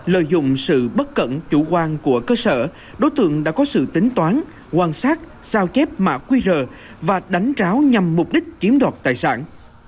lợi dụng sự bất cẩn chủ quan của cơ sở đối tượng đã có sự tính toán quan sát sao chép mã qr và đánh tráo nhằm mục đích chiếm đoạt tài sản